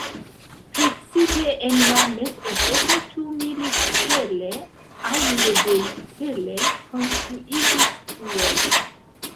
Precipe en la mezepoko ĉu milit-cele aŭ loĝej-cele konstruiĝis turoj.